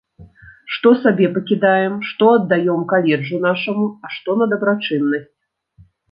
Што сабе пакідаем, што аддаём каледжу нашаму, а што на дабрачыннасць.